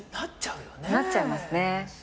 なっちゃいますね。